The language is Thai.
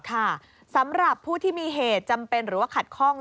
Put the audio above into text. สำหรับผู้ที่มีเหตุจำเป็นหรือว่าขัดข้อง